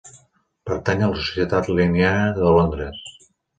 Pertany a la Societat linneana de Londres.